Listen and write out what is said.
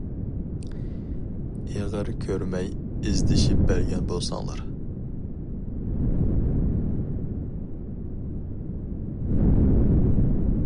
ئېغىر كۆر مەي ئىزدىشىپ بەرگەن بولساڭلار.